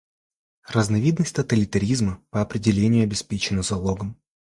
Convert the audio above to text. Разновидность тоталитаризма, по определению, обеспечена залогом.